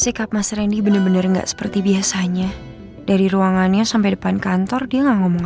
sikap mas randy bener bener enggak seperti biasanya dari ruangannya sampai depan kantor dia ngomong